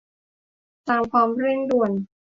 ตามความเร่งด่วน